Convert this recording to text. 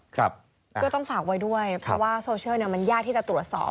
ก็ต้องฝากไว้ด้วยเพราะว่าโซเชียลเนี่ยมันยากที่จะตรวจสอบ